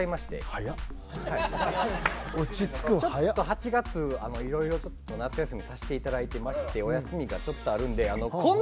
８月いろいろ夏休みさしていただいてましてお休みがちょっとあるんで田津原さん。